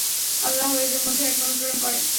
আল্লাহ এদের মধ্যে এক নবী প্রেরণ করেন।